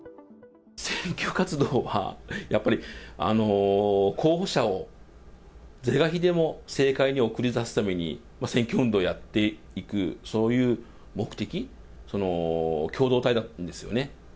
選挙活動は、やっぱり候補者を是が非でも政界に送り出すために、選挙運動をやっていく、そういう目的、共同体だったんですよね。